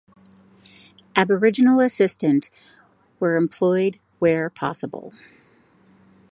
Aboriginal assistant were employed where possible.